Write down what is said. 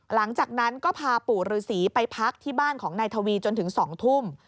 หลังจากนั้นก็พาปู่ฤษีไปพักที่บ้านของนายทวีจนถึง๒ทุ่ม